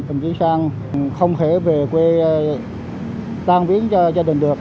đồng chí sang không thể về quê tan viến cho gia đình được